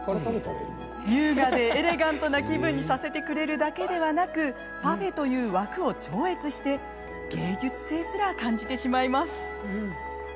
優雅でエレガントな気分にさせてくれるだけではなくパフェという枠を超越して芸術性すら感じてしまいます。